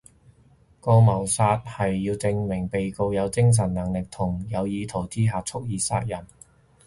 告謀殺係要證明被告有精神能力同有意圖之下蓄意殺人